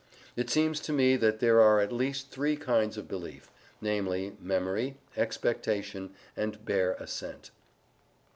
It seems to me that there are at least three kinds of belief, namely memory, expectation and bare assent.